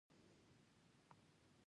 هغه د آرام امید پر مهال د مینې خبرې وکړې.